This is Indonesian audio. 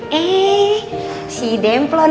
tidak ada yang mau bilang